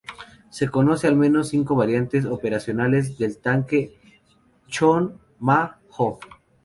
Se conocen al menos cinco variantes operacionales del tanque Ch'onma-Ho.